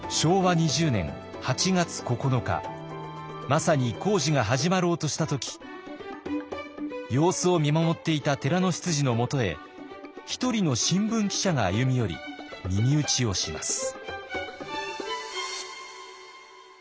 まさに工事が始まろうとした時様子を見守っていた寺の執事のもとへ一人の新聞記者が歩み寄り耳打ちをします。